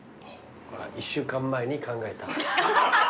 これは１週間前に考えた。